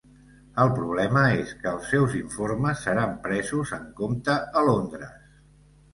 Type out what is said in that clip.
El problema és que els seus informes seran presos en compte a Londres.